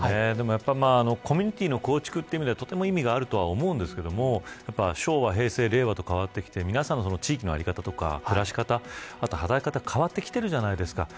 やっぱりコミュニティの構築という意味では意味があると思うんですけど昭和、平成、令和と変わって皆さんの地域の在り方、暮らし方働き方変わってきてるじゃないですか。